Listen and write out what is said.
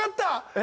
え！